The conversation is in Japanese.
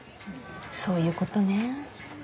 そういうことね。